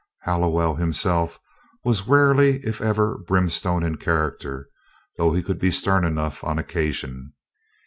Hallowell himself was rarely if ever brimstone in character, though he could be stern enough on occasion.